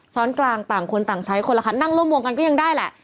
ช้อนกลางต่างคนต่างใช้คนละครเงินร่วง๗๕๐กรักกันก็ยังได้แหละ